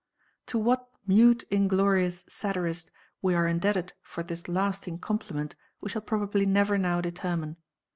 To what "mute inglorious" satirist we are indebted for this lasting compliment we shall probably never now determine.